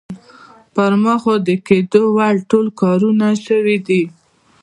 پر ما خو د کېدو وړ ټول کارونه شوي دي.